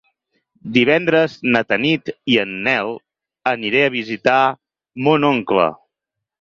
Divendres na Tanit i en Nel aniré a visitar mon oncle.